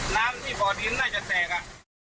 น้ำที่บ่อดินน่าจะแตกอ่ะ